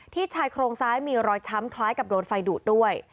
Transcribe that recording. ชายโครงซ้ายมีรอยช้ำคล้ายกับโดนไฟดูดด้วย